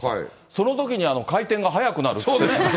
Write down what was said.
そのときに回転が速くなるって。